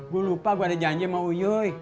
gua lupa gua ada janji sama uyuy